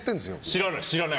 知らない、知らない。